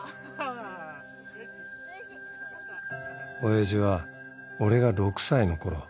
親父は俺が６歳のころ